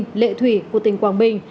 ninh lệ thủy của tỉnh quảng bình